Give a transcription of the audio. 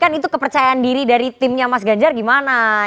kan itu kepercayaan diri dari timnya mas ganjar gimana